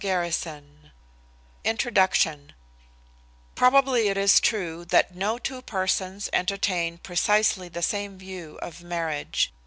"TAKE ME HOME" INTRODUCTION Probably it is true that no two persons entertain precisely the same view of marriage.